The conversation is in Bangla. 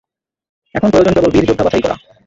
এখন প্রয়োজন কেবল বীর-যোদ্ধা বাছাই করা।